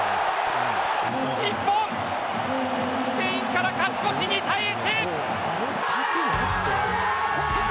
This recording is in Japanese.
日本、スペインから勝ち越し２対１。